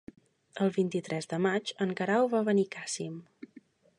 El vint-i-tres de maig en Guerau va a Benicàssim.